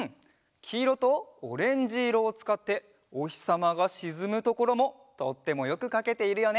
きいろとオレンジいろをつかっておひさまがしずむところもとってもよくかけているよね。